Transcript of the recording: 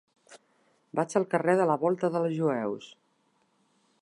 Vaig al carrer de la Volta dels Jueus.